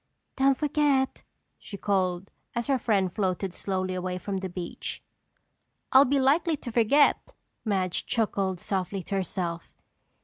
"Don't forget," she called, as her friend floated slowly away from the beach. "I'll be likely to forget!" Madge chuckled softly to herself.